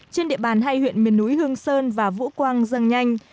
trên địa bàn hai huyện miền núi hương sơn và vũ quang dâng nhanh